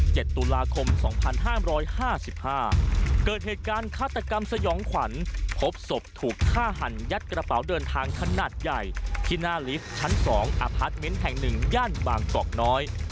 ตอนที่๗ตุลาคม๒๕๕๕เกิดเหตุการณ์ฆาตกรรมสยองขวัญพบศพถูกฆ่าหันยัดกระเป๋าเดินทางขนาดใหญ่ที่หน้าลิฟท์ชั้น๒อพาร์ทเม้นท์แห่ง๑ย่านบางกรกน้อย